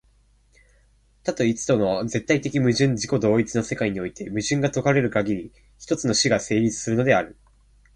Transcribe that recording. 多と一との絶対矛盾的自己同一の世界において、矛盾が解かれるかぎり、一つの種が成立するのである。